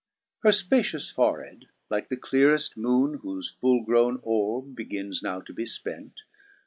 3 Her fpacious fore head, like the cleareft moone Whofe fuU growne orbe begins now to be fpent.